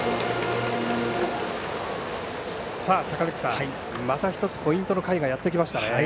坂口さん、また１つポイントの回がやってきましたね。